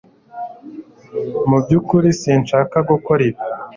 Mu byukuri sinshaka gukora ibi